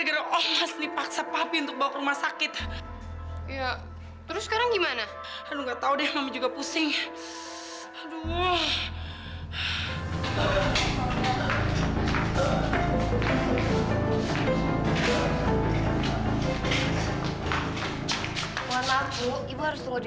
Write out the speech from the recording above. aku mau ke rumah sakit mau ketemuin dari